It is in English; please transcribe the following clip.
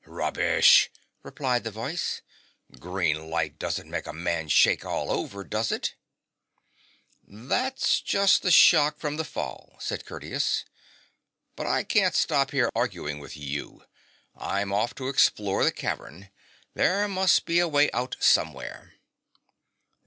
' Rubbish !' replied the voice, 'green light doesn't make a man shake all over, does it .'"' 'That's just the shock from the fall,' said Curtius. ' But I can't stop here arguing with you ; I'm off to explore the cavern. There must be a way out somewhere.'